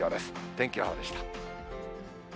天気予報でした。